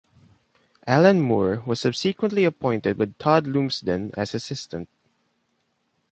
Allan Moore was subsequently appointed with Todd Lumsden as assistant.